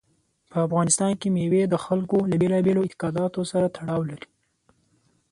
په افغانستان کې مېوې د خلکو له بېلابېلو اعتقاداتو سره تړاو لري.